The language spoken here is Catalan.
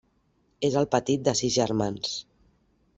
És el petit de sis germans.